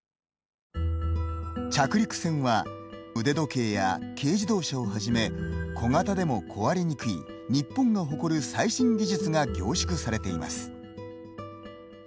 着陸船は腕時計や軽自動車をはじめ小型でも壊れにくい日本が誇る最新技術が凝縮されています。